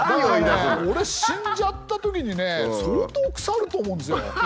だから俺死んじゃったときにね相当腐ると思うんですよ。